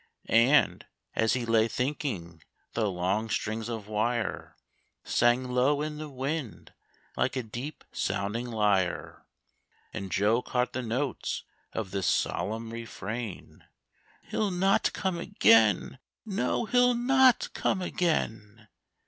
And, as he lay thinking, the long strings of wire Sang low in the wind like a deep sounding lyre, And Joe caught the notes of this solemn refrain "He'll not come again! no, he'll not come again!"